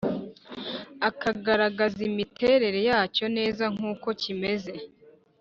ukagaragaza imiterere yacyo neza nkuko kimeze